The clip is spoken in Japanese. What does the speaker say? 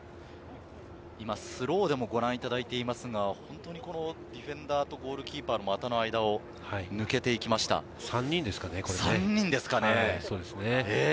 スローでもご覧いただいていますが、ディフェンダーとゴールキーパーの股の間をこれ３人ですかね。